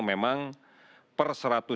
memang per seratus